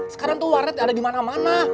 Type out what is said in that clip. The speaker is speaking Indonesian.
sekarang tuh warnet ada di mana mana